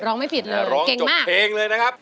ร้องจบเพลงเลยนะครับ